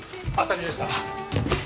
当たりでした。